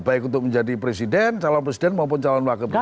baik untuk menjadi presiden calon presiden maupun calon wakil presiden